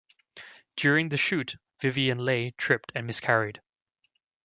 During the shoot, Vivien Leigh tripped and miscarried.